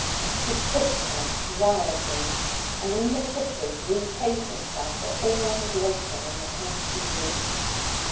He kissed her wildly, and in the kisses repaid himself for all his waiting in the past few weeks.